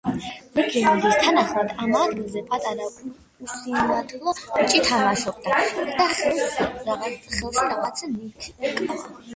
ლეგენდის თანახმად ამ ადგილზე პატარა უსინათლო ბიჭი თამაშობდა და ხელში რაღაც ნივთი ეკავა.